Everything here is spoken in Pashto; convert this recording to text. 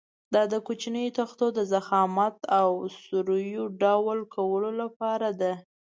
دا د کوچنیو تختو د ضخامت او سور یو ډول کولو لپاره ده.